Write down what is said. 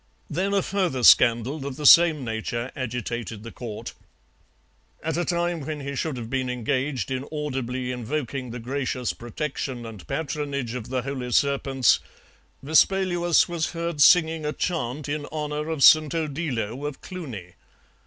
Then a further scandal of the same nature agitated the Court. At a time when he should have been engaged in audibly invoking the gracious protection and patronage of the holy serpents, Vespaluus was heard singing a chant in honour of St. Odilo of Cluny.